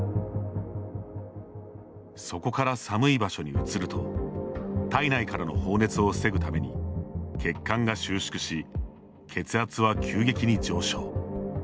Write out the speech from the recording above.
そこから寒い場所に移ると体内からの放熱を防ぐために血管が収縮し血圧は急激に上昇。